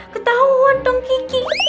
ketauan dong kiki